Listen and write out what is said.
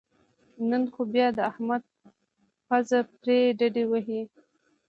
نن خو بیا د احمد پوزې پرې ډډې وې